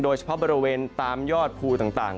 โดยเฉพาะบริเวณตามยอดภูต่าง